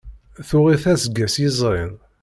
Tuɣ-it aseggas yezrin.